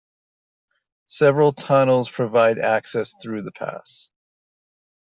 Several tunnels provide access through the pass.